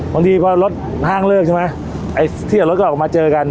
บางทีพอรถห้างเลิกใช่ไหมไอ้ที่เอารถก็ออกมาเจอกัน